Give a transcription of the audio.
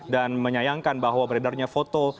dan menyayangkan bahwa beredarnya foto